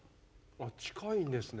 近いんですね。